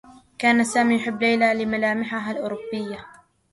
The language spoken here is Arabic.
كان سامي يحبّ ليلى لملامحها الأوروبيّة.